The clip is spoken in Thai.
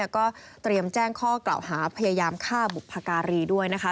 ก็เตรียมแจ้งข้อกล่าวหาพยายามฆ่าบุพการีด้วยนะคะ